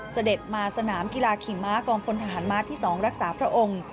เสด็จมาสนามกีฬาขี่ม้ากองพลทหารม้าที่๒รักษาพระองค์